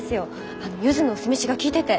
あのゆずの酢飯が利いてて。